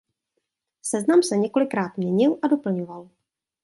Seznam se několikrát měnil a doplňoval.